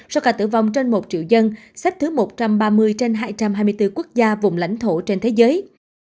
số ca tử vong trên một triệu dân xếp thứ một trăm ba mươi trên hai trăm hai mươi bốn quốc gia vùng lãnh thổ trên thế giới